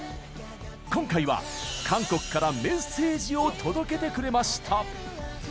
今回は韓国からメッセージを届けてくれました！